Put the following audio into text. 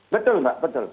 betul mbak betul